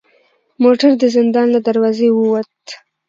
موټر د زندان له دروازې و وت.